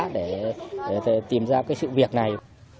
để tìm ra cái sự việc này